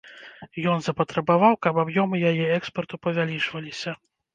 Ён запатрабаваў, каб аб'ёмы яе экспарту павялічваліся.